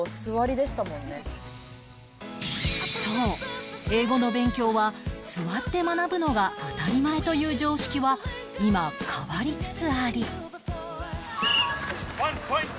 そう英語の勉強は座って学ぶのが当たり前という常識は今変わりつつあり